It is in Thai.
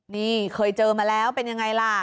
นี่เคยเจอมาแล้วเป็นยังไงล่ะ